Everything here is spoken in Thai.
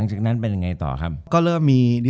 จบการโรงแรมจบการโรงแรม